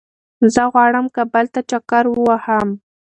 زه غواړم کابل ته چکر ووهم